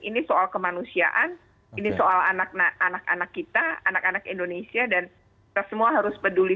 ini soal kemanusiaan ini soal anak anak kita anak anak indonesia dan kita semua harus peduli